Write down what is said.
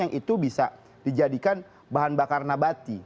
yang itu bisa dijadikan bahan bakar nabati